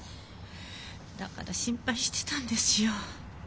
だから心配してたんですよ。